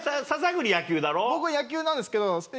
僕は野球なんですけど。